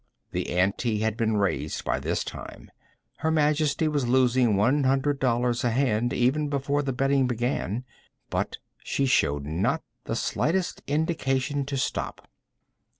The ante had been raised by this time. Her Majesty was losing one hundred dollars a hand, even before the betting began. But she showed not the slightest indication to stop.